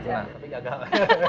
pernah tapi gagal